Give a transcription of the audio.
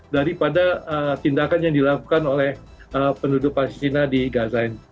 daripada tindakan yang dilakukan oleh penduduk palestina di gaza ini